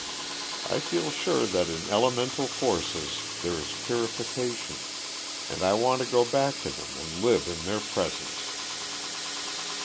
... I feel sure that in elemental forces there is purification, and I want to go back to them and live in their presence."